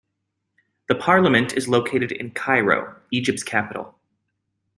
The Parliament is located in Cairo, Egypt's capital.